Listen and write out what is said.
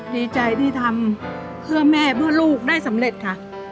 ดีใจที่ทำเพื่อแม่เพื่อลูกได้สำเร็จค่ะ